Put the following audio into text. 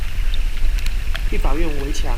立法院圍牆